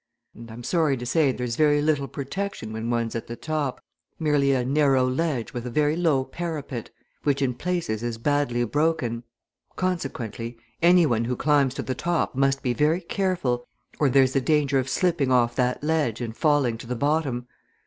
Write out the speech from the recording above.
And I'm sorry to say there's very little protection when one's at the top merely a narrow ledge with a very low parapet, which in places is badly broken. Consequently, any one who climbs to the top must be very careful, or there's the danger of slipping off that ledge and falling to the bottom.